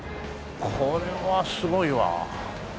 これはすごいわあ。